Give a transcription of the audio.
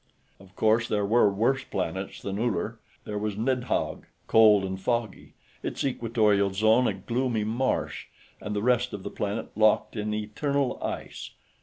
Of course, there were worse planets than Uller. There was Nidhog, cold and foggy, its equatorial zone a gloomy marsh and the rest of the planet locked in eternal ice.